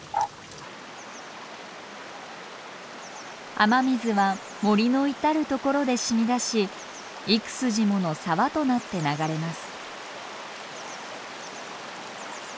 雨水は森の至る所で染み出し幾筋もの沢となって流れます。